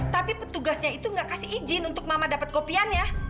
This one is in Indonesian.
tapi petugasnya itu tidak memberikan ijin untuk mama mendapatkan kopiannya